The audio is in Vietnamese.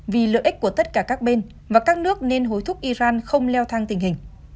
vì lợi ích của tất cả các bên và các nước nên hối thúc iran không leo thang tình hình